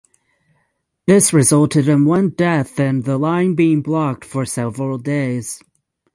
This resulted in one death and the line being blocked for several days.